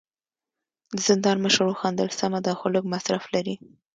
د زندان مشر وخندل: سمه ده، خو لږ مصرف لري.